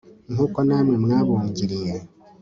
nk'uko namwe mwabungiriye